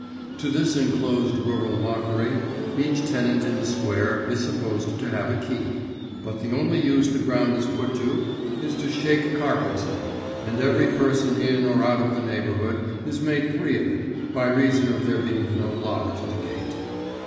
To this enclosed rural mockery, each tenant in the square is supposed to have a key, but the only use the ground is put to is to shake carpets in, and every person in or out of the neighbourhood is made free of it, by reason of there being no lock to the gate.